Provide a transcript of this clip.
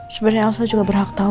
sebenernya elsa juga berhak tau